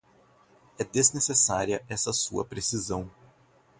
É desnecessária essa sua precisão.